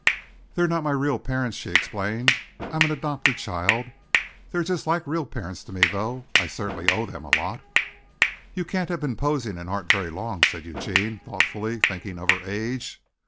"They're not my real parents," she explained. "I'm an adopted child. They're just like real parents to me, though, I certainly owe them a lot." "You can't have been posing in art very long," said Eugene thoughtfully, thinking of her age.